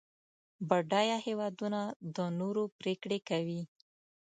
بډایه هېوادونه د نورو پرېکړې کوي.